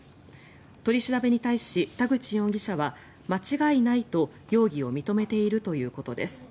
取り調べに対し田口容疑者は間違いないと容疑を認めているということです。